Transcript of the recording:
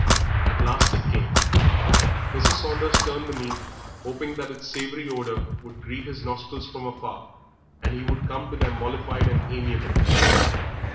At last it came. Mrs. Saunders turned the meat, hoping that its savoury odour would greet his nostrils from afar, and that he would come to them mollified and amiable.